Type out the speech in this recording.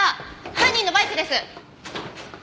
犯人のバイクです。